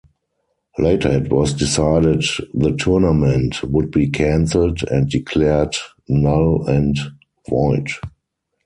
Later it was decided the tournament would be cancelled and declared null and void.